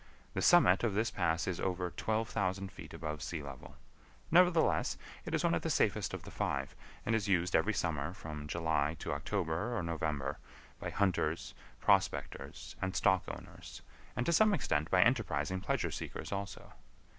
The summit of this pass is over 12,000 feet above sea level; nevertheless, it is one of the safest of the five, and is used every summer, from July to October or November, by hunters, prospectors, and stock owners, and to some extent by enterprising pleasure seekers also.